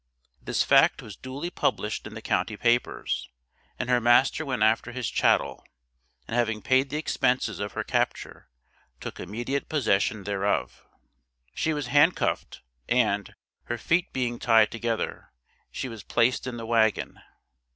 This fact was duly published in the county papers, and her master went after his chattel, and having paid the expenses of her capture took immediate possession thereof. She was hand cuffed, and, her feet being tied together, she was placed in the wagon.